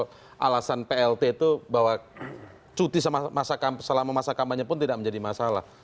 kalau alasan plt itu bahwa cuti selama masa kampanye pun tidak menjadi masalah